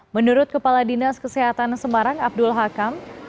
menurut kepala dinas kesehatan semarang abdul hakam